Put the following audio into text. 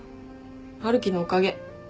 春樹のおかげ。